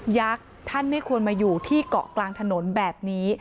ท่านไม่ควรมาอยู่ที่เกาะกลางถนนแบบนี้